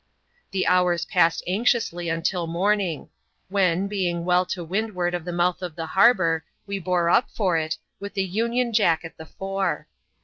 The hours passed anxiously until morning ; when, being well to windward of the mouth of the harbour, we bore up for it, with the union jack at the fore.